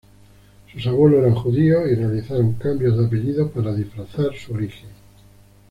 Sus abuelos eran judíos y realizaron cambios de apellidos para disfrazar su origen.